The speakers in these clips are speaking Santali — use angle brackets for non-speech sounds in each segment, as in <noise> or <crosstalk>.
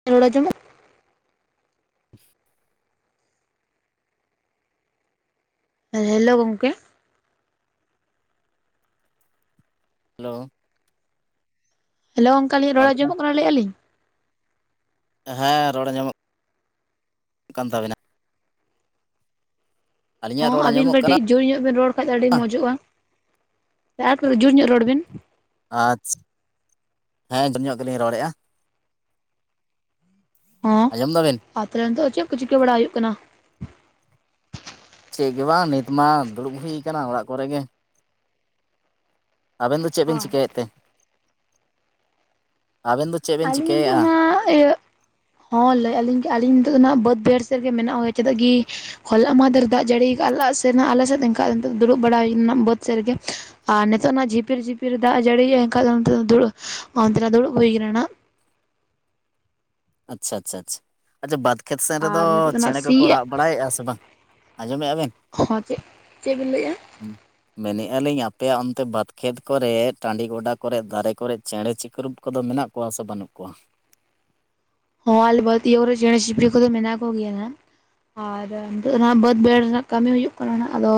<unintelligible> <inaudible> ᱦᱮ ᱦᱮᱞᱳ ᱜᱚᱢᱠᱮ ᱦᱮᱞᱳ ᱦᱮᱞᱳ ᱚᱱᱠᱟ ᱟᱤᱧ ᱨᱚᱲ ᱟᱡᱚᱢᱚᱜ ᱠᱟᱱᱟ ᱞᱟᱹᱭᱮᱫᱼᱟᱞᱤᱧ ᱦᱮᱸ ᱨᱚᱲ ᱧᱟᱢᱚᱜᱼᱼᱠᱟᱱ ᱛᱟᱵᱮᱱᱟ ᱟᱹᱞᱤᱧᱟᱜ ᱦᱚᱸ ᱨᱚᱲ ᱟᱹᱵᱤᱱ ᱟᱸᱡᱚᱢᱚᱜ ᱠᱟᱱᱟ ᱠᱟᱹᱴᱤᱡ ᱡᱳᱨ ᱧᱚᱜ ᱵᱤᱱ ᱨᱚᱲ ᱠᱷᱟᱡ ᱫᱚ ᱟᱹᱰᱤ ᱢᱚᱡᱚᱜᱼᱟ ᱟᱨ ᱡᱳᱨ ᱧᱚᱜ ᱨᱚᱲ ᱵᱤᱱ ᱟᱪᱷᱟ <unintelligible> ᱦᱮᱸ ᱡᱳᱨ ᱧᱚᱜ ᱜᱮᱞᱤᱧ ᱨᱚᱲᱮᱫᱼᱟ ᱦᱮ ᱟᱸᱡᱚᱢ ᱫᱟᱵᱤᱱ ᱟᱛᱮ <unintelligible> ᱱᱤᱛᱚᱜ ᱪᱮᱫ ᱠᱚ ᱪᱤᱠᱟᱹ ᱵᱟᱲᱟ ᱦᱩᱭᱩᱜ ᱠᱟᱱᱟ? ᱪᱮᱫ ᱜᱮ ᱵᱟᱝ ᱱᱤᱛ ᱢᱟ ᱫᱩᱲᱩᱵ ᱦᱩᱭ ᱟᱠᱟᱱᱟ ᱚᱲᱟᱜ ᱠᱚᱨᱮ ᱜᱮ᱾ ᱟᱵᱮᱱ ᱫᱚ ᱪᱮᱫ ᱵᱮᱱ ᱪᱤᱠᱟᱹᱭᱮᱫ ᱛᱮ? ᱟᱵᱮᱱ ᱫᱚ ᱪᱮᱫ ᱵᱮᱱ ᱟᱞᱤ ᱪᱤᱠᱟᱹᱭᱮᱫᱼᱟ ᱚᱱᱟ <unintelligible> ᱦᱚᱸ ᱞᱟᱹᱭᱮᱫᱼᱟᱞᱤᱧ <unintelligible> ᱟᱹᱞᱤᱧ ᱱᱤᱛ ᱫᱚ ᱱᱟᱦᱟᱜ ᱵᱟᱹᱫᱽ ᱵᱟᱭᱦᱟᱲ ᱥᱮᱫ ᱨᱮᱜᱮ ᱢᱮᱱᱟᱜ ᱦᱳᱭ ᱪᱮᱫᱟᱜ ᱜᱤ ᱦᱚᱞ ᱢᱟᱫᱷᱮᱨ ᱫᱟᱜ ᱡᱟᱹᱲᱤ <unintelligible> ᱥᱮᱫ ᱟᱞᱮ ᱥᱮᱫ ᱮᱱᱠᱷᱟᱱ ᱫᱩᱲᱩᱵ ᱵᱟᱲᱟ <unintelligible> ᱦᱩᱭᱱᱟ ᱵᱟᱹᱫᱽ ᱥᱮᱫ ᱨᱮᱜᱮ ᱟᱨ ᱱᱤᱛᱚᱜ ᱱᱟ ᱡᱷᱤᱯᱤᱨ ᱡᱷᱤᱯᱤᱨ ᱫᱟᱜ ᱡᱟᱹᱲᱤᱭᱼᱟ ᱮᱱᱠᱷᱟᱱ ᱫᱚ <unintelligible> ᱫᱩᱲᱩᱵ <unintelligible> ᱚᱱᱛᱮᱱᱟᱜ ᱫᱩᱲᱩᱵ ᱦᱩᱭ ᱠᱟᱱᱟ ᱱᱟᱜ ᱟᱪᱷᱟ ᱟᱪᱷᱟ ᱪᱷᱟ ᱟᱪᱷᱟ ᱵᱟᱫᱽ ᱠᱷᱮᱛ ᱥᱮᱱ ᱨᱮᱫᱚ ᱟᱨ ᱱᱤᱛᱚᱜ ᱫᱚ ᱱᱟᱜ ᱪᱮᱬᱮ ᱠᱚᱠᱚ ᱥᱤᱭᱮᱜ ᱨᱟᱜ ᱵᱟᱲᱟᱭᱮᱫᱼᱟ ᱥᱮ ᱵᱟᱝ ᱟᱸᱡᱚᱢᱮᱫᱼᱟ ᱵᱮᱱ? ᱦᱚᱸ ᱪᱮᱫ? ᱪᱮᱫᱵ ᱤᱱ ᱞᱟᱹᱭᱮᱫᱼᱟ? ᱢᱮᱱᱮᱫᱼᱟ ᱞᱤᱧ ᱟᱯᱮᱭᱟᱜ ᱚᱱᱛᱮ ᱵᱟᱫᱽᱠᱷᱮᱛ ᱠᱚᱨᱮ ᱴᱟᱺᱰᱤ ᱜᱚᱰᱟ ᱠᱚᱨᱮᱮᱫ ᱫᱟᱨᱮ ᱠᱚᱨᱮ ᱪᱮᱬᱮ ᱪᱤᱠᱨᱩᱯ ᱠᱚᱫᱚ ᱢᱮᱱᱟᱜ ᱠᱚᱣᱟ? ᱠᱚᱣᱟ ᱥᱮ ᱵᱟᱹᱱᱩᱜ ᱠᱚᱣᱟ ᱦᱚᱸ ᱟᱞᱮ ᱵᱟᱹᱫ ᱨᱮ ᱪᱮᱬᱮ ᱪᱤᱯᱲᱤ ᱠᱚᱫᱚ ᱢᱮᱱᱟᱜ ᱠᱚᱜᱮᱭᱟ ᱟᱨ ᱱᱤᱛ ᱚᱱᱟ ᱵᱟᱹᱫᱽ ᱵᱟᱹᱭᱦᱟᱹᱲ ᱨᱮᱱᱟᱜ ᱠᱟᱹᱢᱤ ᱦᱩᱭᱩᱜ ᱠᱟᱱᱟ ᱟᱫᱚ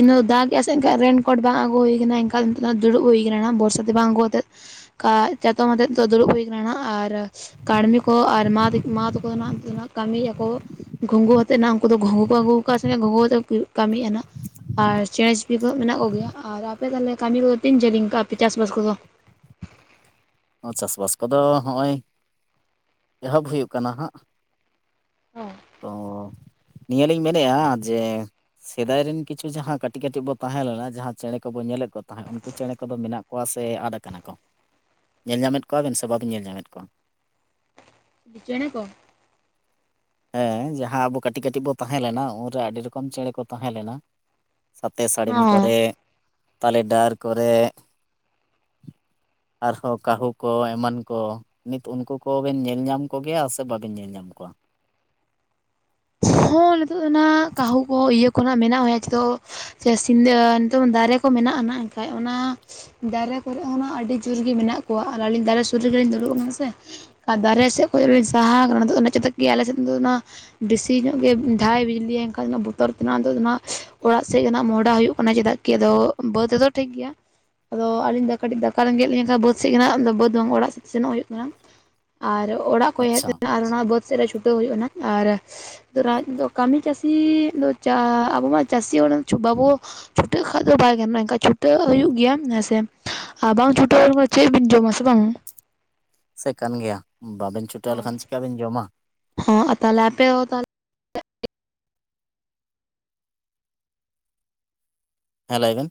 ᱤᱧ ᱫᱟᱜ ᱥᱮᱱ ᱨᱰ ᱵᱟᱝ ᱟᱹᱜᱩ ᱦᱩᱭ ᱠᱟᱱᱟ ᱮᱱᱠᱟᱟᱱ ᱫᱚ ᱱᱤᱛᱚᱜ ᱫᱚ ᱫᱩᱲᱩᱵ ᱦᱩᱭ ᱟᱠᱟᱱᱟ ᱵᱚᱨᱥᱟ ᱛᱮ ᱵᱟᱝ ᱟᱹᱜᱩ ᱠᱟᱛᱮᱫ ᱪᱟᱛᱚᱢ ᱟᱛᱮᱫ ᱫᱚ ᱫᱩᱲᱩᱵ ᱦᱩᱭ ᱟᱠᱟᱱᱟ ᱟᱨ ᱠᱟᱹᱲᱢᱤ ᱠᱚ ᱟᱨ ᱢᱟ ᱢᱟ ᱛᱟᱠᱚᱱᱟᱜ ᱠᱟᱹᱢᱤ ᱟᱠᱚ ᱜᱩᱝᱜᱩ ᱟᱛᱮᱫᱱᱟ ᱩᱱᱠᱩ ᱫᱚ ᱜᱩᱝᱜᱩ ᱠᱚ ᱟᱹᱜᱩ ᱟᱠᱟᱫᱼᱟ ᱥᱮ ᱟᱜᱩ -ᱟ ᱠᱟᱹᱢᱤᱮᱜᱼᱱᱟ ᱟᱨ ᱪᱮᱬᱮ ᱪᱩᱯᱲᱤ ᱠᱚᱦᱚ ᱢᱮᱱᱟᱜ ᱠᱚᱜᱮᱭᱟ ᱟᱨ ᱟᱯᱮ ᱛᱟᱦᱚᱞᱮ ᱠᱟᱹᱢᱤ ᱠᱚᱫᱚ ᱛᱤᱱ ᱡᱷᱟᱹᱞᱤᱧ ᱠᱟᱜᱼᱟ ᱟᱯᱮ ᱪᱟᱥᱵᱟᱥ ᱠᱚᱫᱚ? ᱪᱟᱥᱵᱟᱥ ᱠᱚᱫᱚ ᱦᱚᱜᱼᱚᱭ ᱮᱦᱚᱵ ᱦᱩᱭᱩᱜ ᱠᱟᱱᱟ ᱦᱟᱸᱜ ᱦᱮᱸ ᱛᱚ ᱱᱤᱭᱟᱹᱞᱤᱧ ᱢᱮᱱᱮᱫᱼᱟ ᱡᱮ ᱥᱮᱫᱟᱭ ᱨᱮᱱ ᱠᱤᱪᱷᱩ ᱡᱟᱦᱟᱸ ᱠᱟᱹᱴᱤᱡ ᱠᱟᱹᱴᱤᱡ ᱵᱚ ᱛᱟᱦᱮᱸ ᱞᱮᱱᱟ ᱡᱟᱦᱟᱸ ᱪᱮᱬᱮ ᱠᱚᱵᱚᱱ ᱧᱮᱞᱮᱫ ᱠᱚ ᱛᱟᱦᱮᱸᱫ ᱩᱱᱠᱩ ᱪᱮᱬᱮ ᱠᱚᱫᱚ ᱢᱮᱱᱟᱜ ᱠᱚᱣᱟ ᱥᱮ ᱟᱫ ᱟᱠᱟᱱᱟ ᱠᱚ ᱧᱮᱞ ᱧᱟᱢᱮᱫ ᱠᱚᱣᱟᱵᱮᱱ ᱥᱮ ᱵᱟᱵᱮᱱ ᱧᱮᱞ ᱧᱟᱢᱮᱫ ᱠᱚᱣᱟ ᱪᱮᱬᱮ ᱠᱚ ᱦᱮᱸ ᱡᱟᱦᱟᱸ ᱟᱵᱚ ᱠᱟᱹᱴᱤᱡ ᱠᱟᱹᱴᱤᱡ ᱵᱚ ᱛᱟᱦᱮᱸ ᱞᱮᱱᱟ ᱩᱱᱨᱮ ᱟᱹᱰᱤ ᱨᱚᱠᱚᱢ ᱪᱮᱬᱮ ᱠᱚ ᱛᱟᱦᱮᱸ ᱞᱮᱱᱟ ᱥᱟᱛᱮ ᱥᱟᱹᱲᱤᱢ ᱦᱚᱸ ᱠᱚᱨᱮ ᱛᱟᱞᱮ ᱰᱟᱨ ᱠᱚᱨᱮ ᱟᱨᱦᱚᱸ ᱠᱟᱹᱦᱩ ᱠᱚ ᱮᱢᱟᱱ ᱠᱚ ᱱᱤᱛ ᱩᱱᱠᱩ ᱠᱚᱵᱮᱱ ᱧᱮᱞ ᱧᱟᱢ ᱠᱚᱜᱮᱭᱟ ᱥᱮ ᱵᱟᱵᱮᱱ ᱧᱮᱞ ᱧᱟᱢ ᱠᱚᱣᱟ ᱦᱚᱸ ᱱᱤᱛᱚᱜ ᱫᱚ ᱚᱱᱟ ᱠᱟᱹᱦᱩ ᱠᱚ ᱤᱭᱟᱹ ᱠᱷᱚᱱᱟᱜ ᱢᱮᱱᱟᱜ <inaudible> ᱥᱮ ᱥᱤᱧᱫᱟ ᱱᱤᱛᱚᱝ ᱢᱟ ᱫᱟᱨᱮ ᱠᱚ ᱢᱮᱱᱟᱜᱼᱟ ᱱᱟᱜ ᱮᱱᱠᱟᱱ ᱚᱱᱟ ᱫᱟᱨᱮ ᱠᱚᱨᱮᱜ ᱦᱚᱸᱱᱟᱜ ᱟᱹᱰᱤ ᱡᱳᱨ ᱜᱮ ᱢᱮᱱᱟᱜ ᱠᱚᱣᱟ ᱟᱨ ᱟᱹᱞᱤᱧ ᱫᱟᱨᱮ ᱥᱩᱨ ᱨᱮᱜᱮᱞᱤᱧ ᱫᱩᱲᱩᱵ ᱠᱟᱱᱟ ᱥᱮ ᱟᱨ ᱫᱟᱨᱮ ᱥᱮᱫ ᱠᱷᱚᱱ ᱥᱟᱦᱟᱣ ᱟᱠᱟᱱᱟ ᱚᱱᱟ ᱟᱞᱮᱥᱮᱫ ᱫᱚ ᱱᱟ ᱫᱮ ᱛᱤᱱᱟ. ᱜ ᱜᱮ ᱫᱷᱟᱣ ᱮ ᱵᱤᱡᱽᱞᱤ ᱟᱭ ᱮᱱᱠᱷᱟᱱ ᱫᱚ ᱵᱚᱛᱚᱨ ᱛᱮᱱᱟᱜ ᱫᱚ ᱚᱱᱟ ᱚᱲᱟᱜ ᱥᱮᱫ ᱜᱮ ᱱᱟᱜ ᱢᱚᱦᱰᱟ ᱦᱩᱭᱩᱜ ᱠᱟᱱᱟ ᱪᱮᱫᱟᱜ ᱠᱤ ᱟᱫᱚ ᱵᱟᱹᱫᱽ ᱨᱮᱫᱚ ᱴᱷᱤᱠ ᱜᱮᱭᱟ ᱟᱫᱚ ᱟᱹᱞᱤᱧ ᱫᱚ ᱠᱟᱹᱴᱤᱡ ᱫᱟᱠᱟ ᱨᱮᱜᱮᱸᱡᱮᱱ ᱠᱷᱟᱱ ᱵᱟᱹᱫᱽ ᱥᱮᱫ ᱜᱮ ᱱᱟᱜ ᱫᱚ ᱵᱟᱹᱫᱽ ᱵᱟᱝ ᱚᱲᱟᱜᱛᱮ ᱥᱮᱱᱚᱜ ᱦᱩᱭᱩᱜ ᱠᱟᱱᱟ ᱟᱨ ᱚᱲᱟᱜ ᱠᱷᱚᱱ ᱦᱮᱡ ᱟᱪᱪᱷᱟ ᱱᱟ ᱟᱨ ᱚᱱᱟ ᱵᱟᱹᱫᱽ ᱥᱮᱜ ᱨᱮ ᱪᱷᱩᱴᱟᱹᱣ ᱦᱩᱭᱩᱜ ᱟ ᱱᱟᱜ ᱟᱨ <inaudible> ᱠᱟᱹᱢᱤ ᱪᱟᱹᱥᱤ ᱪᱟᱥ ᱟᱵᱚ <inaudible> ᱪᱟᱹᱥᱤ ᱦᱚᱲ ᱵᱟᱵᱚ ᱪᱷᱩᱴᱟᱹᱜ ᱠᱷᱟ ᱫᱚ ᱵᱟᱭ ᱜᱟᱱᱚᱜᱼᱟ ᱮᱱᱠᱷᱟᱱ ᱪᱷᱩᱴᱟᱹᱜ ᱦᱩᱭᱩᱜ ᱜᱮᱭᱟ ᱦᱮᱸ ᱥᱮ ᱟᱨ ᱵᱟᱝ ᱪᱷᱩᱴᱟᱹᱣ ᱪᱮᱫ ᱵᱤᱱ ᱡᱚᱢᱟᱥᱮ ᱵᱟᱝᱼᱼ ᱥᱮ ᱠᱟ. ᱢᱤᱭᱟ ᱵᱟᱵᱮᱱ ᱪᱷᱩᱴᱟᱹᱣ ᱞᱮᱠᱷᱟᱱ ᱪᱤᱠᱟᱹ ᱵᱮᱱ ᱡᱚᱢᱟ ᱦᱚ ᱛᱟᱦᱞᱮ ᱟᱯᱮ ᱦᱚ ᱛᱟᱦᱞᱮ ᱦᱮᱸ ᱞᱟᱹᱭ ᱵᱮᱱ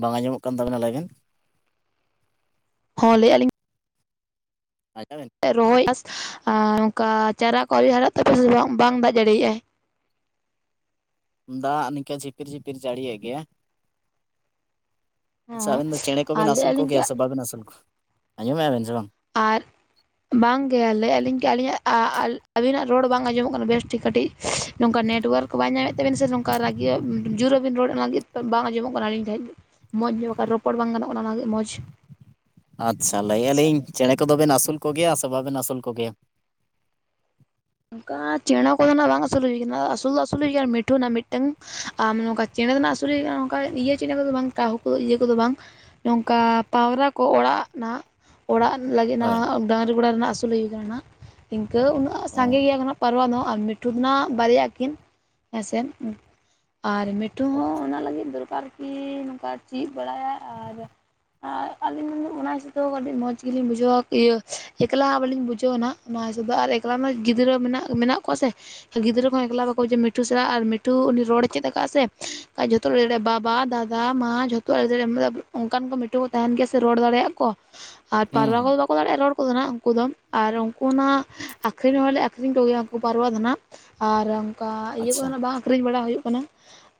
ᱵᱟᱝ ᱟᱸᱚᱢᱚᱜ ᱠᱟᱱ ᱛᱟᱵᱮᱱᱟ ᱞᱟ. ᱭ ᱵᱮᱱ ᱦᱚᱸ ᱞᱟᱹᱭᱮᱫᱼᱟᱞᱤᱧ <inaudible> ᱨᱚᱦᱚᱭ ᱟᱨ ᱱᱚᱝᱠᱟ ᱪᱟᱨᱟ ᱠᱚ ᱟᱹᱣ ᱦᱟᱨᱟᱜ ᱛᱟᱯᱮ ᱵᱟᱝ ᱫᱟᱜ ᱡᱟᱲᱮᱭᱟᱜᱼᱟᱭ ᱫᱟᱜ ᱱᱤᱝᱠᱟ ᱡᱷᱤᱯᱤᱨ ᱡᱷᱤᱯᱤᱨ ᱡᱟᱹᱲᱤᱭᱮᱜ ᱜᱮᱭᱟ ᱟᱪᱪᱷᱟ ᱦᱚᱸ ᱟᱹᱵᱤᱱ ᱫᱚ ᱪᱮᱬᱮ ᱟᱨ ᱠᱚᱵᱮᱱ ᱟᱹᱥᱩᱞ ᱞᱟᱹᱭᱮᱫᱼᱟ ᱞᱤᱧ ᱠᱤ ᱠᱚᱜᱮᱭᱟ ᱥᱮ ᱵᱟᱵᱮᱱ ᱟᱹᱥᱩᱞ ᱠᱚᱣᱟ ᱟᱸᱡᱚᱢᱮᱫᱼᱟ ᱵᱮᱱ ᱥᱮ ᱵᱟᱝ ᱟᱨ ᱵᱟᱝ ᱜᱮ ᱞᱟᱹᱭᱮᱫ ᱠᱤ ᱟᱹᱞᱤᱧ ᱟᱹᱞᱤ ᱟᱹᱵᱤᱱᱟᱜ ᱨᱚᱲ ᱵᱟᱝ ᱟᱸᱡᱚᱢᱚᱜ ᱠᱟᱱᱟ ᱵᱮᱥᱴᱷᱤᱠ ᱠᱟᱹᱴᱤᱡ ᱱᱚᱝᱠᱟ ᱱᱮᱴᱳᱣᱟᱨᱠ ᱵᱟᱭ ᱧᱟᱢᱮᱫ ᱛᱟᱵᱤᱱ ᱥᱮ ᱱᱚᱝᱠᱟ ᱨᱟᱹᱜᱤ ᱡᱳᱨ ᱵᱟᱵᱤᱱ ᱨᱚᱲ ᱚᱱᱟ ᱞᱟᱹᱜᱤᱫ ᱵᱟᱝ ᱟᱸᱡᱚᱢᱚᱜ ᱠᱟᱱᱟ ᱟᱞᱤᱧ ᱴᱷᱮᱡ ᱢᱚᱡᱽ ᱧᱚᱜ ᱵᱟᱠᱷᱟᱡ ᱨᱚᱯᱚᱲ ᱵᱟᱝ ᱜᱟᱱᱚᱜ ᱠᱟᱱᱟ ᱚᱱᱟ ᱞᱟ. ᱜᱤᱫ ᱢᱚᱡᱽ ᱟᱪᱪᱷᱟ ᱞᱟᱹᱭᱮᱜᱼᱟ ᱞᱤᱧ ᱪᱮᱬᱮ ᱠᱚᱫᱚᱵᱮᱱ ᱟᱹᱥᱩᱞ ᱠᱚᱜᱮᱭᱟ ᱥᱮ ᱵᱟ-ᱵᱮᱱ ᱟᱹᱥᱩᱞ ᱠᱚᱜᱮᱭᱟ ᱱᱚᱝᱠᱟ ᱪᱮᱬᱮ ᱠᱚᱫᱚ ᱱᱟᱜ ᱵᱟᱝ ᱟᱹᱥᱩᱞ ᱦᱩᱭᱩᱜ ᱠᱟᱱᱟ ᱟᱹᱥᱩᱞ ᱫᱚ ᱟᱹᱥᱩᱞ ᱦᱩᱭᱠᱟᱱᱟ ᱢᱤᱴᱷᱩ ᱢᱤᱫᱴᱟᱝ ᱟᱢ ᱱᱚᱝᱠᱟ ᱪᱮᱬᱮ ᱫᱚ ᱟᱥᱩᱞ ᱦᱩᱭ ᱠᱟᱱᱟ ᱚᱱᱠᱟ ᱤᱭᱟᱹ ᱪᱮᱬᱮ ᱠᱚᱫᱚ ᱵᱟᱝ ᱠᱟᱹᱦᱩ ᱤᱭᱟᱹ ᱠᱚᱫᱚ ᱵᱟᱝ ᱱᱚᱝᱠᱟ ᱯᱟᱣᱨᱟ ᱠᱚ ᱚᱲᱟᱜ ᱱᱟ ᱚᱲᱟᱜ ᱞᱟᱹᱜᱤᱫ ᱦᱳᱭ ᱦᱚᱸ ᱰᱟᱹᱝᱨᱤ ᱜᱚᱲᱟ ᱨᱮᱱᱟᱜ ᱟᱹᱥᱩᱞ ᱦᱩᱭᱠᱟᱱᱟ ᱱᱟᱜ ᱤᱱᱠᱟᱹ ᱩᱱᱟᱹᱜ ᱚ ᱥᱟᱸᱜᱮ ᱜᱮᱭᱟ ᱠᱚ ᱱᱟᱸᱜ ᱯᱟᱨᱣᱟ ᱫᱚ ᱟᱨ ᱢᱤᱴᱷᱩ ᱱᱟ ᱵᱟᱨᱭᱟ ᱠᱤᱱ ᱦᱮᱸᱥᱮ ᱟᱨ ᱢᱤᱴ ᱢᱤᱴᱷᱩ ᱚ ᱦᱚᱸ ᱚᱱᱟ ᱞᱟᱹᱜᱤᱫ ᱫᱚᱨᱠᱟᱨ ᱠᱤ ᱱᱚᱝᱠᱟ ᱪᱮᱫ ᱵᱟᱲᱟᱭᱟ ᱟᱨ ᱟᱹᱞᱤᱧ ᱚᱱᱟ ᱦᱤᱥᱟᱹ ᱛᱮ ᱠᱟᱹᱴᱤᱡ ᱢᱚᱡᱽ ᱜᱮᱞᱤᱧ ᱵᱩᱡᱷᱟᱹᱣᱟ ᱤᱭᱟᱹ ᱮᱠᱞᱟ ᱦᱚᱸ ᱵᱟᱹᱞᱤᱧ ᱵᱩᱡᱷᱟᱹᱣᱟ ᱱᱟᱜ ᱚᱱᱟ ᱦᱤᱥᱟᱹᱵᱽ ᱫᱚ ᱟᱨ ᱮᱠᱞᱟ ᱢᱟ ᱜᱤᱫᱽᱨᱟᱹ ᱢᱮᱱᱟᱜ ᱢᱮᱱᱟᱜ ᱠᱚᱣᱟ ᱥᱮ ᱜᱤᱫᱽᱨᱟᱹ ᱠᱚᱦᱚᱸ ᱮᱠᱞᱟ ᱵᱟᱠᱚ ᱢᱤᱴᱩ ᱥᱟᱞᱟᱜ ᱟᱨ ᱢᱤᱴᱩ ᱩᱱᱤ ᱨᱚᱲ ᱮ ᱪᱮᱫ ᱟᱠᱟᱫ ᱥᱮ ᱡᱚᱛᱚ ᱡᱚᱛᱚᱣᱟᱜ ᱮ ᱞᱟᱹᱭ ᱫᱟᱲᱮᱭᱟᱜᱼᱟ ᱵᱟᱵᱟ <unintelligible> ᱵᱟᱵᱟ ᱫᱟᱫᱟ ᱢᱟ ᱡᱷᱚᱛᱚᱣᱟᱜ ᱮ ᱞᱟᱹᱭ ᱫᱟᱲᱮᱼᱟ ᱚᱱᱠᱟᱱ ᱠᱚ ᱢᱤᱴᱩ ᱠᱚ ᱛᱟᱦᱮᱱ ᱜᱮᱭᱟ ᱥᱮ ᱨᱚᱲ ᱫᱟᱲᱮᱭᱟᱜ ᱠᱚ ᱟᱨ ᱦᱩᱸ ᱯᱟᱨᱣᱟ ᱠᱚ ᱦᱩᱸ ᱫᱚ ᱵᱟᱠᱚ ᱫᱟᱲᱮᱭᱟᱜᱼᱟ ᱨᱚᱲ ᱠᱚᱫᱚ ᱦᱟᱸᱜ ᱩᱱᱠᱩ ᱫᱚ ᱟᱨ ᱩᱱᱠᱩ ᱱᱟᱸᱜ ᱟ ᱟᱹᱠᱷᱨᱤᱧ ᱦᱚᱸᱞᱮ ᱟᱠᱷᱨᱤᱧ ᱠᱚᱜᱮᱭᱟ ᱩᱱᱠᱩ ᱯᱟᱨᱣᱟ ᱫᱚ ᱱᱟᱜ ᱟᱨ ᱚᱱᱠᱟ ᱤᱭᱟᱹ ᱟᱪᱪᱷᱟ ᱠᱚᱫᱚ ᱦᱟᱸᱜ ᱵᱟᱝ ᱟᱹᱠᱷᱨᱤᱧ ᱵᱟᱲᱟ ᱦᱩᱭᱩᱜ ᱠᱟᱱᱟ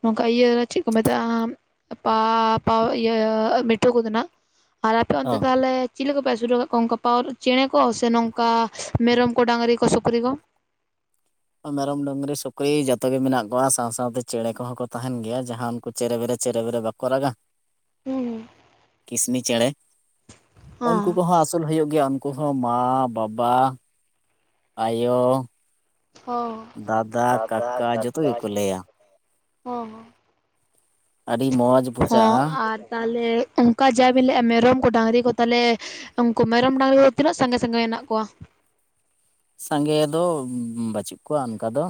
ᱱᱚᱝᱠᱟ ᱤᱭᱟᱹ ᱪᱮᱫ ᱠᱚ ᱢᱮᱛᱟᱜᱼᱟ ᱯᱟ ᱯᱟ ᱤᱭᱟᱹ ᱢᱤᱴᱩ ᱠᱚ ᱫᱚ ᱱᱟᱜ <unintelligible> ᱟᱨ ᱟᱯᱮ ᱚᱱᱛᱮ ᱛᱟᱦᱚᱞᱮ ᱪᱮᱞᱮ ᱠᱚᱯᱮ ᱟᱹᱥᱩᱞ ᱠᱟᱫ ᱠᱚᱣᱟ ᱚᱱᱠᱟ ᱯᱟᱣ ᱪᱮᱬᱮ ᱠᱚ ᱥᱮ ᱱᱚᱝᱠᱟ ᱢᱮᱨᱚᱢ ᱠᱚ? ᱰᱟᱝᱨᱤ ᱠᱚ ᱥᱩᱠᱨᱤ ᱠᱚ ᱢᱮᱨᱚᱢ ᱰᱟᱝᱨᱤ ᱥᱩᱠᱨᱤ ᱡᱚᱛᱚ ᱜᱮ ᱢᱮᱱᱟᱜ ᱠᱚᱣᱟ ᱥᱟᱶ ᱥᱟᱶᱛᱮ ᱪᱮᱬᱮ ᱠᱚᱦᱚᱸ ᱠᱚ ᱛᱟᱦᱮᱱ ᱜᱮᱭᱟ ᱡᱟᱦᱟᱸ ᱩᱱᱠᱩ ᱪᱮᱨᱮ ᱵᱮᱨᱮ ᱪᱮᱨᱮ ᱵᱮᱨᱮ ᱵᱟᱠᱚ ᱠᱚ ᱨᱟᱜᱟ ᱦᱩᱸ ᱠᱤᱥᱱᱤ ᱪᱮᱬᱮ ᱩᱱᱠᱩ ᱦᱚᱸ ᱠᱚᱦᱚᱸ ᱟᱹᱥᱩᱞ ᱦᱩᱭᱩᱜ ᱜᱮᱭᱟ ᱩᱱᱠᱩ ᱦᱚᱸ ᱢᱟ ᱵᱟᱵᱟ ᱟᱭᱳ ᱚᱸ ᱫᱟᱫᱟ ᱡᱚᱛᱚ ᱠᱟᱠᱟ ᱜᱮᱠᱚ ᱞᱟᱹᱭᱟ ᱡᱷᱚᱛᱚᱱᱟᱜ ᱠᱚ ᱚᱸ ᱟᱹᱰᱤ ᱢᱚᱡᱽ ᱦᱚᱸ ᱵᱩᱡᱷᱟᱹᱜᱼᱟ ᱟᱨ ᱛᱟᱦᱚᱞᱮ ᱚᱠᱟ ᱡᱟᱵᱤᱱ ᱞᱟᱹᱭᱮᱫᱼᱟ ᱢᱮᱨᱚᱢ ᱠᱚ ᱰᱟᱝᱨᱤ ᱠᱚ ᱛᱟᱞᱮ ᱩᱱᱠᱩ ᱢᱮᱨᱚᱢ ᱰᱟᱝᱨᱤ ᱠᱚᱫᱚ ᱛᱤᱱᱟᱹᱜ ᱥᱟᱸᱜᱮ ᱥᱟᱸᱜᱮ ᱢᱮᱱᱟᱜ ᱠᱚᱣᱟ ᱥᱟᱸᱜᱮ ᱫᱚ ᱵᱟᱹᱪᱩᱜ ᱠᱚᱣᱟ ᱚᱱᱠᱟ ᱫᱚ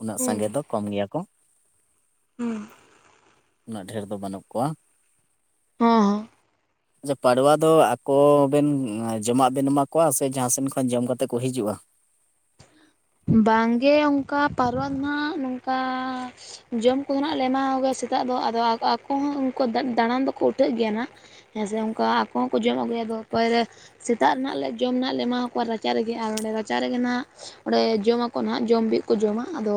ᱩᱱᱟᱹᱜ ᱦᱩᱸ ᱥᱟᱸᱜᱮ ᱫᱚ ᱠᱚᱢ ᱜᱮᱭᱟ ᱠᱚ ᱦᱩᱸ ᱩᱱᱟᱹᱜ ᱰᱷᱮᱨ ᱫᱚ ᱵᱟᱹᱱᱩᱜ ᱠᱚᱣᱟ ᱦᱮᱸ ᱦᱮᱸ ᱟᱪᱷᱟ ᱯᱟᱲᱣᱟ ᱫᱚ ᱟᱠᱚ ᱵᱮᱱ ᱡᱚᱢᱟᱜ ᱵᱮᱱ ᱮᱢᱟ ᱠᱚᱣᱟ ᱥᱮ ᱡᱟᱦᱟᱸ ᱥᱮᱱ ᱠᱷᱚᱱ ᱡᱚᱢ ᱠᱟᱛᱮ ᱠᱚ ᱦᱤᱡᱩᱜᱼᱟ? ᱵᱟᱝᱜᱮ ᱚᱱᱠᱟ ᱯᱟᱨᱣᱟ ᱫᱚ ᱦᱟᱸᱜ ᱱᱚᱝᱠᱟ? ᱡᱚᱢ ᱠᱚᱫᱚ ᱱᱟᱜ ᱞᱮ ᱮᱢᱟ ᱠᱚ ᱜᱮᱭᱟ ᱥᱮᱛᱟᱜ ᱫᱚ ᱟᱫᱚ ᱟᱠᱚ ᱦᱚᱸ ᱩᱱᱠᱩ ᱫᱟᱬᱟᱱ ᱫᱚᱠᱚ ᱩᱴᱷᱟᱹᱜ ᱜᱮᱭᱟ ᱦᱟᱸᱜ ᱦᱮᱸ ᱥᱮ ᱩᱱᱠᱟ ᱟᱠᱚ ᱦᱚᱸ ᱠᱚ ᱡᱚᱢ ᱟᱹᱜᱩᱭᱟ ᱫᱚ ᱯᱟᱨ ᱥᱮᱛᱟᱜ ᱨᱮ ᱦᱟᱸᱜ ᱞᱮ ᱡᱚᱢ ᱞᱮ ᱮᱢᱟ ᱠᱚᱣᱟ ᱨᱟᱪᱟ ᱨᱮᱜᱮ ᱟᱨ ᱚᱸᱰᱮ ᱨᱟᱪᱟ ᱨᱮᱜᱮ ᱦᱟᱸᱜ ᱚᱸᱰᱮ ᱡᱚᱢᱟᱠᱚ ᱱᱟᱦᱟᱜ ᱡᱚᱢ ᱵᱤᱜ ᱠᱚ ᱡᱚᱢᱟ ᱟᱫᱚ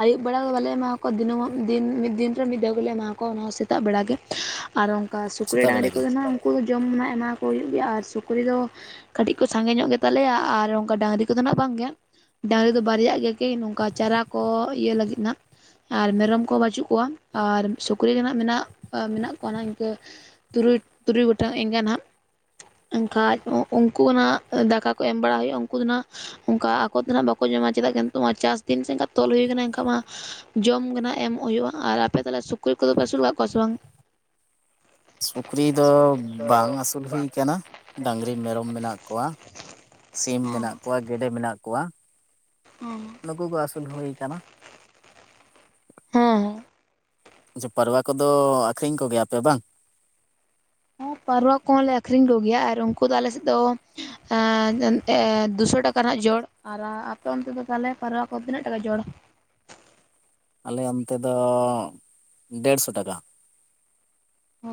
ᱟᱹᱭᱩᱵ ᱵᱮᱲᱟ ᱫᱚ ᱵᱟᱞᱮ ᱮᱢᱟᱠᱚᱣᱟ ᱫᱤᱱᱟᱹᱢ ᱫᱤᱱ ᱢᱤᱫ ᱫᱤᱱ ᱨᱮ ᱢᱤᱫ ᱫᱷᱟᱣ ᱜᱮᱞᱮ ᱮᱢᱟ ᱠᱚᱣᱟ ᱚᱱᱟᱦᱚ ᱥᱮᱛᱟᱜ ᱵᱮᱲᱟᱜ ᱜᱮ ᱟᱨ ᱚᱱᱠᱟ ᱥᱩᱠᱨᱤ ᱥᱮᱛᱟᱜ ᱵᱮᱲᱟ ᱰᱟᱝᱨᱤ ᱜᱮ ᱠᱚᱫᱚ ᱱᱟᱦᱟᱜ ᱩᱱᱠᱩ ᱫᱚ ᱡᱚᱢ ᱮᱢᱟ ᱠᱚ ᱦᱩᱭᱩᱜ ᱜᱮᱭᱟ ᱟᱨ ᱥᱩᱠᱨᱤ ᱫᱚ ᱠᱟᱹᱴᱤᱡ ᱠᱚ ᱥᱟᱸᱜᱮ ᱧᱚᱜ ᱜᱮᱛᱟᱞᱮᱭᱟ ᱟᱨ ᱚᱱᱠᱟ ᱰᱟᱝᱨᱤ ᱠᱚᱫᱚ ᱱᱟᱜ ᱵᱟᱝ ᱜᱮ ᱰᱟᱝᱨᱤ ᱫᱚ ᱵᱟᱨᱭᱟᱜ ᱜᱮᱭᱟ ᱠᱤᱱ ᱱᱚᱝᱠᱟ ᱪᱟᱨᱟ ᱠᱚ ᱤᱭᱟᱹ ᱞᱟᱹᱜᱤᱫ ᱦᱟᱸᱜ ᱟᱨ ᱢᱮᱨᱚᱢ ᱠᱚᱦᱚᱸ ᱵᱟᱹᱪᱩᱜ ᱠᱚᱣᱟ ᱟᱨ ᱥᱩᱠᱨᱤ ᱜᱮ ᱦᱟᱸᱜ ᱢᱮᱱᱟᱜ ᱢᱮᱱᱟᱜ ᱠᱚᱣᱟ ᱚᱱᱟ ᱤᱱᱠᱟᱹ ᱛᱩᱨᱩᱭ ᱛᱩᱨᱩᱭ ᱜᱚᱴᱟᱝ ᱮᱸᱜᱟ ᱦᱟᱸᱜ ᱮᱱᱠᱷᱟᱡ ᱩᱱᱠᱩᱱᱟᱜ ᱫᱟᱠᱟ ᱠᱚ ᱮᱢ ᱵᱟᱲᱟ ᱦᱩᱭᱩᱜᱼᱟ ᱩᱱᱠᱩ ᱫᱚ ᱦᱟᱸᱜ ᱚᱱᱠᱟ ᱟᱠᱚ ᱫᱚ ᱱᱟᱦᱟᱜ ᱵᱟᱠᱚ ᱧᱟᱢᱟ ᱪᱮᱫᱟᱜ ᱱᱤᱛᱚᱜ ᱢᱟ ᱪᱟᱥ ᱫᱤᱱ ᱥᱮ ᱠᱷᱟᱡ ᱛᱚᱞ ᱦᱩᱭ ᱟᱠᱟᱱᱟ ᱮᱱᱠᱷᱟᱱ ᱢᱟ ᱡᱚᱢ ᱜᱮ ᱱᱟᱜ ᱮᱢᱚᱜ ᱦᱩᱭᱩᱜᱼᱟ᱾ ᱟᱨ ᱟᱯᱮ ᱛᱟᱦᱚᱞᱮ ᱥᱩᱠᱨᱤ ᱠᱚᱫᱚ ᱯᱮ ᱟᱹᱥᱩᱞ ᱠᱟᱜ ᱠᱚᱣᱟ ᱥᱮ ᱵᱟᱝ? ᱥᱩᱠᱨᱤ ᱫᱚ ᱵᱟᱝ ᱟᱹᱥᱩᱞ ᱦᱩᱭ ᱟᱠᱟᱱᱟ ᱰᱟᱝᱨᱤ ᱢᱮᱨᱚᱢ ᱢᱮᱱᱟᱜ ᱠᱚᱣᱟ ᱥᱤᱢ ᱦᱮᱸ ᱢᱮᱱᱟᱜ ᱠᱚᱣᱟ ᱜᱮᱰᱮ ᱢᱮᱱᱟᱜ ᱠᱚᱣᱟ ᱚᱸ ᱱᱩᱠᱩ ᱠᱚ ᱟᱹᱥᱩᱞ ᱦᱩᱭ ᱟᱠᱟᱱᱟ ᱦᱮᱸ ᱦᱮᱸ ᱪᱮ ᱯᱟᱨᱣᱟ ᱠᱚᱫᱚ ᱟᱹᱠᱷᱨᱤᱧ ᱠᱚᱜᱮᱭᱟᱯᱮ ᱵᱟᱝ ᱦᱮᱸ ᱯᱟᱹᱨᱣᱟ ᱠᱚᱦᱚᱸ ᱞᱮ ᱟᱹᱠᱷᱨᱤᱧ ᱠᱚᱜᱮᱭᱟ ᱟᱨ ᱩᱱᱠᱩ ᱫᱚ ᱟᱞᱮ ᱥᱮᱫ ᱫᱚ ᱮᱸ ᱮ ᱫᱩᱥᱚ ᱴᱟᱠᱟ ᱦᱟᱸᱜ ᱡᱚᱲ ᱟᱨ ᱟᱯᱮ ᱚᱱᱛᱮ ᱫᱚ ᱛᱟᱦᱚᱞᱮ ᱯᱟᱨᱣᱟ ᱠᱚ ᱛᱤᱱᱟᱹᱜ ᱴᱟᱠᱟ ᱡᱚᱲ ᱟᱞᱮ ᱚᱱᱛᱮ ᱫᱚ ᱰᱮᱲᱥᱚ ᱴᱟᱠᱟ ᱚ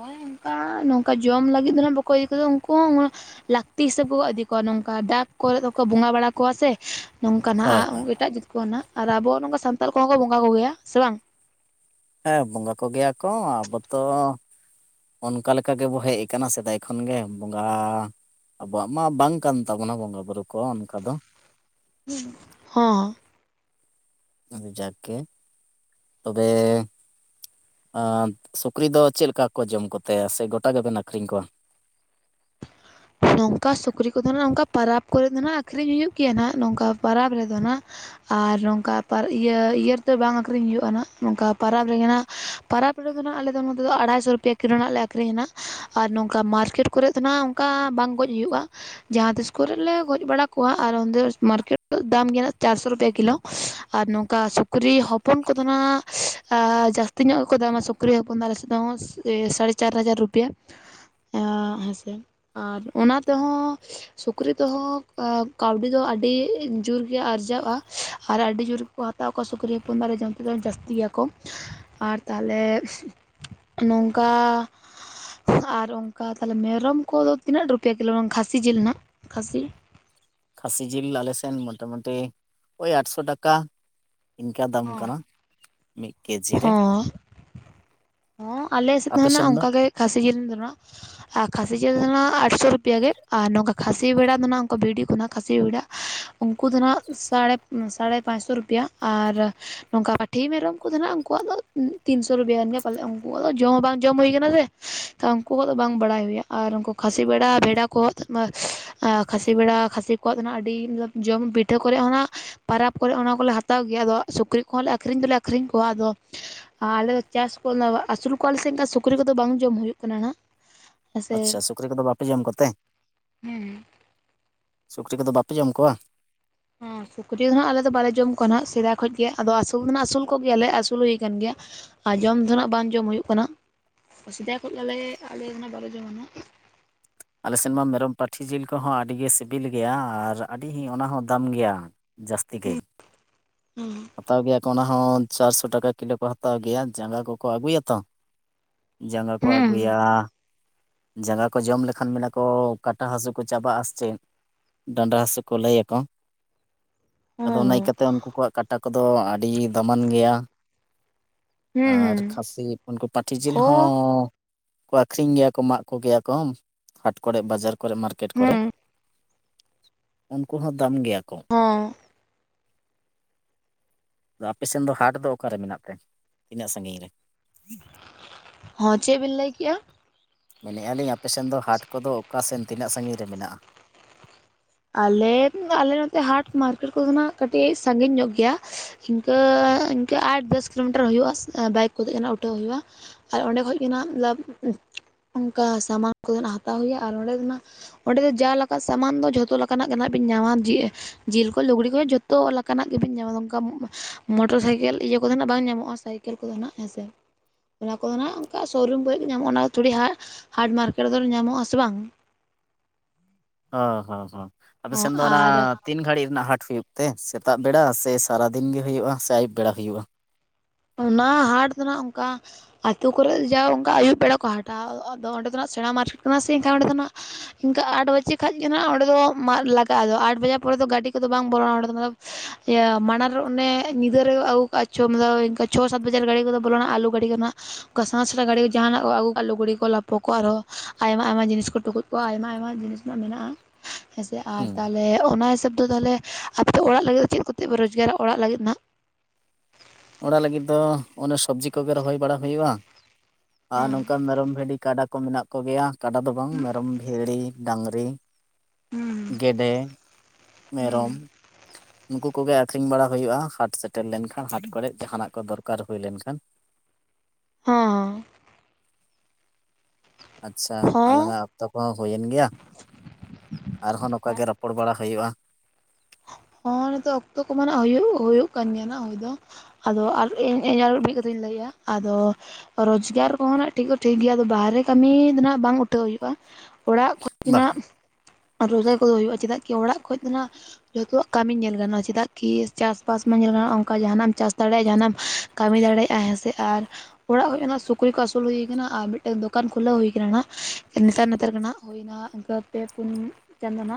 ᱦᱳᱭ ᱚᱱᱠᱟ ᱱᱚᱝᱠᱟ ᱡᱚᱢ ᱞᱟᱹᱜᱤᱫ ᱫᱚ ᱦᱟᱸᱜ ᱵᱟᱠᱚ ᱤᱫ ᱠᱚᱫᱟ ᱩᱱᱠᱩ ᱦᱚᱸ ᱞᱟᱹᱠᱛᱤ ᱦᱤᱥᱟᱹᱵ ᱠᱚ ᱤᱫᱤ ᱠᱚᱣᱟ ᱱᱚᱝᱠᱟ ᱫᱟᱠ ᱠᱚᱨᱮ ᱠᱚ ᱵᱚᱸᱜᱟ ᱵᱟᱲᱟ ᱠᱚᱣᱟ ᱥᱮ ᱱᱚᱝᱠᱟ ᱦᱳᱭ ᱦᱳᱭ ᱱᱟᱦᱟᱜ ᱮᱴᱟᱜ ᱡᱟᱹᱛ ᱠᱚ ᱱᱟᱦᱟᱜ ᱟᱨ ᱟᱵᱚ ᱱᱚᱝᱠᱟ ᱥᱟᱱᱛᱟᱲ ᱠᱚᱦᱚᱸ ᱠᱚ ᱵᱚᱸᱜᱟ ᱠᱚ ᱜᱮᱭᱟ ᱥᱮ ᱵᱟᱝ ᱦᱮᱸ ᱵᱚᱸᱜᱟ ᱠᱚᱜᱮᱭᱟ ᱠᱚ ᱟᱵᱚ ᱛᱚ ᱚᱱᱠᱟ ᱞᱮᱠᱟ ᱜᱮᱵᱚ ᱦᱮᱡ ᱟᱠᱟᱱᱟ ᱥᱮᱫᱟᱭ ᱠᱷᱚᱱ ᱜᱮ ᱵᱚᱸᱜᱟ ᱟᱵᱚᱣᱟᱜ ᱢᱟ ᱵᱟᱝ ᱠᱟᱱ ᱛᱟᱵᱚᱱᱟ ᱵᱚᱸᱜᱟ ᱵᱩᱨᱩ ᱠᱚ ᱚᱱᱠᱟ ᱫᱚ ᱦᱚᱸ ᱟᱫᱚ ᱡᱟᱜᱮ ᱛᱚᱵᱮ ᱮᱸ ᱥᱩᱠᱨᱤ ᱫᱚ ᱪᱮᱫ ᱞᱮᱠᱟ ᱠᱚ ᱡᱚᱢ ᱠᱚᱛᱮ ᱥᱮ ᱜᱚᱴᱟ ᱜᱮᱵᱮᱱ ᱟᱹᱠᱷᱨᱤᱧ ᱠᱚᱣᱟ ᱱᱚᱝᱠᱟ ᱥᱩᱠᱨᱤ ᱠᱚᱫᱚ ᱱᱟᱦᱟᱜ ᱱᱚᱝᱠᱟ ᱯᱚᱨᱚᱵᱽ ᱠᱚᱨᱮ ᱜᱮ ᱱᱟᱦᱟᱜ ᱟᱹᱠᱷᱨᱤᱧ ᱦᱩᱭᱩᱜ ᱜᱮᱭᱟ ᱱᱟᱦᱟᱜ ᱱᱚᱝᱠᱟ ᱯᱚᱨᱚᱵᱽ ᱨᱮᱫᱚ ᱦᱟᱜ ᱟᱨ ᱱᱚᱝᱠᱟ ᱤᱭᱟᱹ ᱨᱮᱫᱚ ᱵᱟᱝ ᱟᱹᱠᱷᱨᱤᱧ ᱦᱩᱭᱩᱜᱼᱟ ᱜ ᱱᱚᱝᱠᱟ ᱯᱚᱨᱚᱵᱽ ᱨᱮᱜᱮ ᱦᱟᱸᱜ ᱯᱚᱨᱚᱵᱽ ᱨᱮᱫᱚ ᱦᱟᱜ ᱟᱞᱮᱫᱚ ᱱᱚᱛᱮ ᱫᱚ ᱟᱲᱟᱭᱥᱚ ᱨᱩᱯᱤᱭᱟ ᱠᱤᱞᱳ ᱱᱟᱜ ᱞᱮ ᱟᱹᱠᱷᱨᱤᱧᱟ ᱱᱟ ᱟᱨ ᱱᱚᱝᱠᱟ ᱢᱟᱨᱠᱮᱴ ᱠᱚᱨᱮᱫ ᱫᱚ ᱱᱟᱦᱟᱜ ᱚᱱᱠᱟ ᱵᱟᱝ ᱜᱚᱡ ᱦᱩᱭᱩᱜᱼᱟ ᱡᱟᱦᱟᱸᱛᱤᱥ ᱠᱚᱨᱮ ᱞᱮ ᱜᱚᱡ ᱵᱟᱲᱟ ᱠᱚᱣᱟ ᱟᱨ ᱚᱸᱰᱮ ᱢᱟᱨᱠᱮᱴ ᱫᱟᱢ ᱜᱮᱭᱟ ᱪᱟᱨᱥᱚ ᱨᱩᱯᱤᱭᱟ ᱠᱤᱞᱳ ᱟᱨ ᱱᱚᱝᱠᱟ ᱥᱩᱠᱨᱤ ᱦᱚᱯᱚᱱ ᱠᱚᱫᱚ ᱟᱸᱱᱟᱜ ᱡᱟᱹᱥᱛᱤ ᱧᱚᱜ ᱜᱮᱠᱚ ᱫᱟᱢᱟ ᱥᱩᱠᱨᱤ ᱥᱩᱠᱨᱤ ᱦᱚᱯᱚᱱ ᱟᱞᱮ ᱥᱮᱫ ᱦᱚᱸ ᱥᱟᱲᱮ ᱪᱟᱨ ᱦᱟᱡᱟᱨ ᱨᱩᱯᱤᱭᱟ ᱦᱮᱸᱥᱮ ᱟᱨ ᱚᱱᱟ ᱛᱮᱦᱚᱸ ᱥᱩᱠᱨᱤ ᱛᱮᱦᱚᱸ ᱠᱟᱹᱣᱰᱤ ᱫᱚ ᱟᱹᱰᱤ ᱡᱳᱨ ᱜᱮ ᱟᱨᱡᱟᱜᱼᱟ ᱟᱨ ᱟᱹᱰᱤ ᱡᱳᱨ ᱠᱚ ᱦᱟᱛᱟᱣ ᱠᱚᱣᱟ ᱥᱩᱠᱨᱤ ᱦᱚᱯᱚᱱ ᱫᱟᱨᱮ ᱡᱚᱢ ᱛᱮᱫ ᱫᱚ ᱡᱟᱹᱥᱛᱤ ᱜᱮᱭᱟᱠᱚ ᱟᱨ ᱛᱟᱦᱞᱮ ᱱᱚᱝᱠᱟ ᱟᱨ ᱚᱱᱠᱟ ᱛᱟᱦᱞᱮ ᱢᱮᱨᱚᱢ ᱠᱚᱫᱚ ᱛᱤᱱᱟᱹᱜ ᱨᱩᱯᱤᱭᱟ ᱠᱤᱞᱳ ᱠᱷᱟᱹᱥᱤ ᱡᱤᱞ ᱨᱮᱱᱟᱜ ᱠᱷᱟᱹᱥᱤ ᱠᱷᱟᱹᱥᱤ ᱡᱤᱞ ᱟᱞᱮᱥᱱ ᱢᱚᱴᱟᱢᱩᱴᱤ ᱳᱭ ᱟᱴᱥᱚ ᱴᱟᱠᱟ ᱤᱱᱠᱟ ᱫᱟᱢ ᱦᱚᱸ ᱠᱟᱱᱟ ᱢᱤᱫ ᱠᱮᱡᱤ ᱨᱮ᱾ ᱦᱚᱸ ᱦᱚᱸ ᱟᱞᱮ ᱥᱮᱫ ᱟᱯᱮ ᱦᱚᱸ ᱱᱟᱜ ᱥᱮᱱ ᱫᱚ? ᱚᱱᱠᱟ ᱜᱮ ᱠᱷᱟᱹᱥᱤ ᱡᱤᱞ ᱫᱚ ᱟᱨ ᱠᱷᱟᱹᱥᱤ ᱡᱤᱞ ᱫᱚ ᱟᱴᱥᱚ ᱨᱩᱯᱤᱭᱟ ᱜᱮ ᱟᱨ ᱱᱚᱝᱠᱟ ᱠᱷᱟᱹᱥᱤ ᱵᱷᱮᱲᱟ ᱫᱚ ᱱᱟᱦᱱᱟᱜ ᱠᱚ ᱵᱷᱤᱰᱤ ᱠᱷᱚᱱᱟᱜ ᱠᱷᱟᱹᱥᱤ ᱵᱮᱲᱟ ᱩᱱᱠᱩ ᱫᱚ ᱱᱟᱦᱱᱟᱜ ᱥᱟᱲᱮ ᱥᱟᱲᱮ ᱯᱟᱸᱪᱥᱚ ᱨᱩᱯᱤᱭᱟ ᱟᱨ ᱱᱚᱝᱠᱟ ᱯᱟᱹᱴᱷᱤ ᱢᱮᱨᱚᱢ ᱠᱚ ᱛᱟᱦᱮᱸᱱᱟ ᱩᱱᱠᱩᱣᱟᱜ ᱫᱚ ᱛᱤᱱᱥᱚ ᱨᱩᱯᱤᱭᱟ ᱜᱟᱱ ᱜᱮᱭᱟ ᱯᱟᱞᱮᱱ ᱩᱱᱠᱩᱣᱟᱜ ᱫᱚ ᱡᱚᱢ ᱦᱚᱸ ᱵᱟᱝ ᱡᱚᱢ ᱦᱩᱭ ᱠᱟᱱᱟ ᱥᱮ ᱛᱚ ᱩᱱᱠᱩᱣᱟᱜ ᱫᱚ ᱵᱟᱝ ᱵᱟᱲᱟᱭ ᱦᱩᱭᱩᱜᱼᱟ ᱟᱨ ᱩᱱᱠᱩ ᱠᱷᱟᱹᱥᱤ ᱵᱮᱲᱟ ᱵᱷᱮᱰᱟ ᱠᱚ ᱠᱷᱟᱹᱥᱤ ᱵᱮᱲᱟ ᱠᱷᱟᱹᱥᱤ ᱠᱚᱣᱟᱜ ᱫᱚ ᱦᱟᱸᱜ ᱟᱹᱰᱤ ᱡᱚᱢ ᱯᱤᱴᱷᱟᱹ ᱠᱚᱨᱮᱜ ᱦᱚᱸ ᱱᱟᱜ ᱯᱥᱨᱟᱵᱽ ᱠᱚᱨᱮᱜ ᱚᱱᱟ ᱠᱚᱞᱮ ᱦᱟᱛᱟᱣ ᱜᱮᱭᱟ ᱟᱫᱚ ᱥᱩᱠᱨᱤ ᱠᱚᱦᱚᱸᱞᱮ ᱟᱹᱠᱷᱨᱤᱧ ᱫᱚᱞᱮ ᱟᱹᱠᱷᱨᱤᱧ ᱠᱚᱣᱟ ᱟᱫᱚ ᱟᱨ ᱟᱞᱮ ᱫᱚ ᱪᱟᱥ ᱠᱚ ᱟᱹᱥᱩᱞ ᱠᱚᱣᱟᱞ ᱥᱮ ᱥᱩᱠᱨᱤ ᱠᱚᱫᱚ ᱵᱟᱝ ᱡᱚᱢ ᱦᱩᱭᱩᱜ ᱠᱟᱱᱟ ᱦᱟᱜ ᱟᱪᱪᱷᱟ ᱥᱩᱠᱨᱤ ᱠᱚᱫᱚ ᱵᱟᱯᱮ ᱡᱚᱢ ᱠᱚᱛᱮ ᱦᱮᱸ ᱥᱩᱠᱨᱤ ᱠᱚᱫᱚ ᱵᱟᱯᱮ ᱡᱚᱢ ᱠᱚᱣᱟ ᱦᱮᱸ ᱥᱩᱠᱨᱤ ᱫᱚ ᱦᱟᱜ ᱟᱞᱮ ᱫᱚ ᱵᱟᱞᱮ ᱡᱚᱢ ᱠᱚᱣᱟ ᱦᱟᱜ ᱥᱮᱫᱟᱭ ᱠᱷᱚᱱ ᱜᱮ ᱟᱫᱚ ᱟᱹᱥᱩᱞ ᱫᱚ ᱱᱟᱜ ᱟᱹᱥᱩᱞ ᱠᱚᱜᱭᱟ ᱞᱮ ᱟᱹᱥᱩᱞ ᱦᱩᱭ ᱟᱠᱟᱱ ᱜᱮᱭᱟ ᱟᱨ ᱡᱚᱢ ᱫᱚ ᱱᱟᱜ ᱵᱟᱝ ᱡᱚᱢ ᱦᱩᱭᱩᱜ ᱠᱟᱱᱟ ᱥᱮᱫᱟᱭ ᱠᱷᱚᱱ ᱜᱮᱞᱮ ᱟᱞᱮ ᱫᱚ ᱱᱟᱜ ᱵᱟᱞᱮ ᱡᱚᱢᱟ ᱱᱟᱜ ᱟᱞᱮ ᱥᱮᱫ ᱢᱟ ᱢᱮᱨᱚᱢ ᱯᱟᱹᱴᱷᱤ ᱡᱤᱞ ᱠᱚᱦᱚᱸ ᱟᱹᱰᱤᱜᱮ ᱥᱤᱵᱤᱞ ᱜᱮᱭᱟ ᱟᱨ ᱟᱹᱰᱤ ᱚᱱᱟ ᱦᱚᱸ ᱫᱟᱢ ᱜᱮᱭᱟ ᱡᱟᱹᱥᱛᱤ ᱜᱮ ᱦᱩᱸ ᱦᱟᱛᱟᱣ ᱜᱮᱭᱟ ᱠᱚ ᱚᱱᱟ ᱦᱚᱸ ᱪᱟᱨᱥᱚ ᱴᱟᱠᱟ ᱠᱤᱞᱳ ᱠᱚ ᱦᱟᱛᱟᱣ ᱜᱮᱭᱟ ᱡᱟᱸᱜᱟ ᱠᱚ ᱠᱚ ᱟᱹᱜᱩᱭᱟ ᱛᱚ ᱡᱟᱸᱜᱟ ᱠᱚ ᱦᱚᱸ ᱟᱜᱩᱭᱟ᱾ ᱡᱟᱸᱜᱟ ᱠᱚ ᱡᱚᱢ ᱞᱮᱠᱷᱟᱱ ᱢᱮᱱᱟ ᱠᱚ ᱠᱟᱴᱟ ᱦᱟᱹᱥᱳ ᱠᱚ ᱪᱟᱵᱟᱜᱼᱟ ᱥᱮ ᱪᱮᱫ᱾ ᱰᱟᱸᱰᱟ ᱦᱟᱹᱥᱩ ᱠᱚ ᱞᱟᱹᱭᱟᱠᱚ ᱟᱫᱚ ᱚᱱᱟ ᱦᱚᱸ ᱤᱭᱠᱟᱹᱛᱮ ᱩᱱᱠᱩ ᱠᱚᱣᱟᱜ ᱠᱟᱴᱟ ᱠᱚᱫᱚ ᱟᱹᱰᱤ ᱫᱟᱢᱟᱱ ᱜᱮᱭᱟ ᱦᱩᱸ ᱟᱨ ᱠᱷᱟᱹᱥᱤ ᱩᱱᱠᱩ ᱯᱟᱹᱴᱷᱤ ᱡᱤᱞ ᱦᱚᱸ ᱦᱚᱸᱠᱚ ᱟᱠᱷᱨᱤᱧ ᱜᱮᱭᱟ ᱠᱚ ᱢᱟᱜ ᱠᱚ ᱜᱮᱭᱟ ᱠᱚ ᱦᱟᱴ ᱠᱚᱨᱮ ᱵᱟᱡᱟᱨ ᱠᱚᱨᱮ ᱢᱟᱨᱠᱮᱴ ᱠᱚᱨᱮ ᱩᱱᱠᱩ ᱦᱚᱸ ᱫᱟᱢ ᱜᱮᱭᱟ ᱠᱚ ᱦᱮᱸ ᱟᱫᱚ ᱟᱯᱮᱥᱱ ᱫᱚ ᱦᱟᱴ ᱫᱚ ᱚᱠᱟᱨᱮ ᱢᱮᱱᱟᱜ ᱛᱮ ᱛᱤᱱᱟᱹᱜ ᱥᱟᱺᱜᱤᱧ ᱨᱮ ᱦᱚᱸ ᱪᱮᱫ ᱵᱤᱱ ᱞᱟᱹᱭ ᱠᱮᱜᱼᱟ ᱢᱮᱱᱮᱫ ᱟ. ᱞᱤᱧ ᱟᱯᱮ ᱥᱮᱫ ᱫᱚ ᱦᱟᱴ ᱠᱚᱫᱚ ᱚᱠᱟᱥᱮᱱ ᱛᱤᱱᱟᱹᱜ ᱥᱟ. ᱜᱤᱧ ᱨᱮ ᱢᱮᱱᱟᱜᱼᱟ? ᱟᱞᱮ ᱟᱞᱮ ᱱᱚᱛᱮ ᱦᱟᱴ ᱢᱟᱨᱠᱮᱴ ᱠᱚᱫᱚ ᱱᱟᱜ ᱠᱟᱹᱴᱤᱡ ᱥᱟᱺᱜᱤᱧ ᱧᱚᱜ ᱜᱮᱭᱟ᱾ ᱤᱱᱠᱟᱹ ᱤᱱᱠᱟᱹ ᱟᱴ ᱫᱚᱥ ᱠᱤᱞᱳᱢᱤᱴᱟᱨ ᱦᱩᱭᱩᱜᱼᱟ᱾ ᱵᱟᱭᱤᱠ ᱠᱚᱛᱮ ᱜᱮ ᱦᱟᱸᱜ ᱩᱴᱷᱟᱹᱣ ᱦᱩᱭᱩᱜᱼᱟ᱾ ᱟᱨ ᱚᱸᱰᱮ ᱠᱷᱚᱡ ᱜᱮ ᱦᱟᱸᱜ ᱚᱱᱠᱟ ᱥᱟᱢᱟᱱ ᱠᱚᱫᱚ ᱟᱸᱱᱟᱜ ᱦᱟᱛᱟᱣ ᱦᱩᱭᱩᱜᱼᱟ ᱾ ᱟᱨ ᱚᱸᱰᱮ ᱫᱚ ᱦᱟᱸᱜ ᱚᱸᱰᱮ ᱫᱚ ᱡᱟ ᱞᱮᱠᱟᱱᱟᱜ ᱥᱟᱢᱟᱱ ᱫᱚ ᱡᱷᱚᱛᱚ ᱞᱮᱠᱟᱱᱟᱜ ᱜᱮ ᱦᱟᱸᱜ ᱵᱤᱱ ᱧᱟᱢᱟ ᱾ ᱡᱮ ᱡᱤᱞ ᱠᱚ ᱞᱩᱜᱽᱲᱤ ᱠᱚᱦᱚᱸ ᱡᱚᱛᱚ ᱞᱮᱠᱟᱱᱟᱜ ᱜᱮᱵᱚᱱ ᱧᱟᱢᱟ ᱱᱚᱝᱠᱟ ᱢᱚᱴᱚᱨ ᱥᱟᱭᱠᱮᱞ ᱤᱭᱟᱹ ᱠᱚᱫᱚ ᱟᱸᱱᱟᱜ ᱵᱟᱝ ᱧᱟᱢᱚᱜᱼᱟ ᱥᱟᱭᱠ ᱠᱷᱮᱞ ᱠᱚᱫᱚ ᱱᱟᱦᱟᱜ ᱦᱸᱥᱮ ᱚᱱᱟ ᱠᱚᱫᱚ ᱱᱟᱦᱟᱜ ᱚᱱᱠᱟ ᱥᱳᱨᱩᱢ ᱵ ᱜᱮ ᱧᱟᱢᱚᱜᱼᱟ ᱚᱱᱟ ᱫᱚ ᱛᱷᱚᱲᱤ ᱦᱟᱴ ᱢᱟᱨᱠᱮᱴ ᱠᱚ ᱨᱮᱫᱚ ᱧᱟᱢᱚᱜ ᱟᱥᱮ ᱵᱟᱝ ᱚ ᱦᱚᱸᱼᱦᱚᱸ ᱟᱯᱮ ᱥᱮᱱ ᱫᱚ ᱚᱱᱟ ᱟᱨ ᱛᱤᱱ ᱜᱷᱟᱹᱲᱤᱡ ᱨᱮᱱᱟᱜ ᱦᱟᱴ ᱦᱩᱭᱩᱜ ᱛᱮ ᱥᱮᱛᱟᱜ ᱵᱮᱲᱟ ᱥᱮ ᱥᱟᱨᱟ ᱫᱤᱱ ᱜᱮ ᱦᱩᱭᱩᱜᱼᱟ ᱥᱮ ᱟᱹᱭᱩᱵ ᱵᱮᱲᱟ ᱦᱩᱭᱩᱜᱼᱟ? ᱚᱱᱟ ᱦᱟᱴ ᱫᱚ ᱦᱟᱜ ᱚᱱᱠᱟ ᱟᱹᱛᱩ ᱠᱚᱨᱮ ᱡᱟ ᱚᱱᱠᱟ ᱟᱹᱭᱩᱵ ᱵᱮᱲᱟ ᱠᱚ ᱦᱟᱴᱟ, ᱟᱫᱚ ᱚᱸᱰᱮ ᱫᱚ ᱱᱟᱜ ᱥᱮᱬᱟ ᱢᱟᱨᱠᱮᱴ ᱠᱟᱱᱟ ᱥᱮ ᱮᱱᱠᱷᱟᱱ ᱚᱸᱰᱮ ᱫᱚ ᱱᱟᱜ ᱤᱱᱠᱟᱹ ᱟᱴ ᱵᱟᱡᱮ ᱠᱷᱟᱱ ᱜᱮᱱᱟᱜ ᱚᱸᱰᱮ ᱫᱚ ᱞᱟᱜᱟᱜᱼᱟ ᱟ ᱟᱴ ᱵᱟᱡᱟᱜ ᱯᱚᱨᱮ ᱫᱚ ᱜᱟᱹᱰᱤ ᱠᱚᱫᱚ ᱵᱟᱝ ᱵᱚᱞᱚᱼᱟ ᱚᱸᱰᱮ ᱫᱚ ᱤᱭᱟᱹ ᱢᱟᱲ ᱨᱮ ᱚᱱᱮ ᱧᱤᱫᱟᱹᱨᱮ ᱟᱹᱜᱩ ᱠᱟᱜᱼᱟ ᱪᱚᱢᱫᱟ ᱪᱷᱚ ᱥᱟᱛ ᱵᱟᱡᱟᱨ ᱜᱰᱤ ᱠᱚᱫᱚ ᱵᱚᱞᱚᱱᱟ ᱟᱞᱩ ᱜᱟ. ᱰᱤ ᱱᱟᱜ ᱡᱟᱦᱟᱸᱱᱟᱜ ᱟᱹᱜᱩ ᱟᱩ ᱜᱟᱹᱤ ᱠᱚ ᱞᱟᱚ ᱩᱱᱠᱩ ᱟᱨᱦᱚᱸ ᱟᱭᱢᱟ ᱟᱭᱢᱟ ᱡᱤᱱᱤᱥ ᱠᱚ ᱴᱩᱠᱩᱡ ᱠᱚ ᱟᱭᱢᱟ ᱟᱭᱢᱟ ᱡᱤᱱᱤᱥ ᱨᱮᱱᱟᱜ ᱢᱮᱱᱟᱜᱼᱟ᱾ ᱦᱮᱸᱥᱮ ᱟᱨ ᱦᱮᱸ ᱛᱟᱦᱚᱞᱮ ᱚᱱᱟ ᱦᱤᱥᱟᱹᱵ ᱫᱚ ᱛᱟᱦᱞᱮ ᱟᱯᱮ ᱚᱲᱟᱜ ᱞᱟᱹᱜᱤᱫ ᱫᱚ ᱪᱮᱫ ᱠᱚᱛᱮ ᱯᱮ ᱨᱳᱡᱽᱜᱟᱨᱟ ᱚᱲᱟᱜ ᱞᱟᱹᱜᱤᱫ ᱦᱟᱸᱜ? ᱚᱱᱟ ᱞᱟᱹᱜᱤᱫ ᱫᱚ ᱚᱱᱮ ᱥᱚᱵᱽᱡᱤ ᱠᱚᱜᱮ ᱨᱚᱦᱚᱭ ᱵᱟᱲᱟ ᱦᱩᱭᱩᱜᱼᱟ ᱟᱨ ᱱᱚᱝᱠᱟ ᱢᱮᱨᱚᱢ ᱵᱷᱤᱰᱤ ᱠᱟᱰᱟᱹ ᱠᱚ ᱢᱮᱱᱟᱜ ᱠᱚᱜᱮᱭᱟ ᱠᱟᱰᱟ ᱫᱚ ᱵᱟᱝ ᱦᱩᱸ ᱢᱮᱨᱚᱢ ᱵᱷᱤᱲᱤ ᱰᱟᱝᱨᱤ ᱦᱩᱸ ᱜᱮᱰᱮ ᱦᱩᱸ ᱢᱮᱨᱚᱢ ᱱᱩᱠᱩ ᱠᱚᱜᱮ ᱟᱠᱷᱨᱤᱧ ᱵᱟᱲᱟ ᱦᱩᱭᱩᱜᱼᱟ ᱦᱟᱴ ᱥᱮᱴᱮᱨ ᱞᱮᱱᱠᱷᱟᱱ ᱦᱟᱴ ᱠᱚᱨᱮ ᱡᱟᱦᱟᱱᱟᱜ ᱠᱚ ᱫᱚᱨᱠᱟᱨ ᱦᱩᱭ ᱞᱮᱱᱠᱷᱟᱱ, ᱦᱮᱸ ᱟᱪᱪᱷᱟ ᱦᱚᱸ ᱟᱞᱟᱝ ᱟ ᱡᱚᱛᱚ ᱠᱚᱦᱚ ᱦᱩᱭᱮᱱ ᱜᱮᱭᱟ᱾ ᱟᱨᱦᱚᱸ ᱱᱚᱝᱠᱟ ᱜᱮ ᱨᱚᱯᱚᱲ ᱵᱟᱲᱟ ᱦᱩᱭᱩᱜᱼᱟ᱾ ᱦᱚᱸ ᱱᱤᱛᱚᱜ ᱚᱠᱛᱚ ᱠᱚᱢᱟ ᱱᱟᱜ ᱦᱩᱭᱩᱜ ᱦᱩᱭᱩᱜ ᱠᱟᱱ ᱜᱮᱭᱟ ᱱᱟᱜ ᱦᱩᱭ ᱫᱚ ᱟᱫᱚ ᱤᱧ ᱤᱧ ᱟᱨ ᱢᱤᱫ ᱠᱟᱛᱮᱷᱟᱧ ᱞᱟᱹᱭᱮᱫᱼᱟ ᱟᱫᱚ ᱨᱳᱡᱽᱜᱟᱨ ᱠᱚᱦᱚᱸᱱᱟᱜ ᱴᱷᱤᱠ ᱫᱚ ᱴᱷᱤᱠ ᱜᱮᱭᱟ ᱟᱫᱚ ᱵᱟᱦᱨᱮ ᱠᱟᱹᱢᱤ ᱫᱚ ᱱᱟᱜ ᱵᱟᱝ ᱩᱴᱷᱟᱹᱣ ᱦᱩᱭᱩᱜᱼᱟ ᱚᱲᱟᱜ ᱵᱟᱝ ᱠᱷᱚᱡᱱᱟᱜ ᱨᱳᱡᱽᱜᱟᱨ ᱠᱚᱫᱚ ᱦᱩᱭᱩᱜᱼᱟ ᱪᱮᱫᱟᱜ ᱠᱤ ᱚᱲᱟᱜ ᱠᱷᱚᱡ ᱫᱚ ᱱᱟᱦᱟᱜ ᱡᱚᱛᱚᱣᱟᱜ ᱠᱟᱹᱢᱤ ᱧᱮᱞ ᱜᱟᱱᱚᱜᱼᱟ ᱪᱮᱫᱟᱜ ᱠᱤ ᱪᱟᱥᱵᱟᱥ ᱢᱟ ᱧᱮᱞ ᱜᱟᱱᱚᱜᱼᱟ ᱚᱱᱠᱟ ᱡᱟᱦᱟᱱᱟᱜ ᱮᱢ ᱪᱟᱥ ᱫᱟᱲᱮᱭᱟᱜᱼᱟ ᱡᱟᱦᱟᱱᱟᱜ ᱮᱢ ᱠᱟᱹᱢᱤ ᱫᱟᱲᱮᱭᱟᱜᱼᱟᱭ ᱦᱮᱸᱥᱮ ᱟᱨ ᱚᱲᱟᱜ ᱠᱷᱚᱱᱟᱜ ᱥᱩᱠᱨᱤ ᱠᱚ ᱟᱹᱥᱩᱞ ᱦᱩᱭ ᱠᱟᱱᱟ ᱟᱨ ᱢᱤᱫᱴᱮᱱ ᱫᱚᱠᱟᱱ ᱠᱷᱩᱞᱟᱹᱣ ᱦᱩᱭ ᱠᱟᱱᱟ ᱱᱮᱛᱟᱨ ᱱᱮᱛᱟᱨ ᱜᱮ ᱦᱟᱜ ᱵᱤᱱᱟ ᱤᱱᱠᱟᱹ ᱯᱮ ᱯᱩᱱ ᱪᱟᱸᱫᱳᱱᱟᱜ